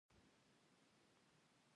دوهم مطلب : سیاست پیژندنه